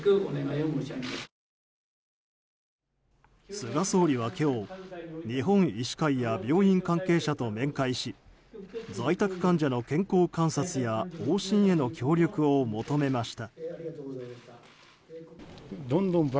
菅総理は今日日本医師会や病院関係者と面会し在宅患者の健康観察や往診への協力を求めました。